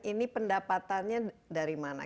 ini pendapatannya dari mana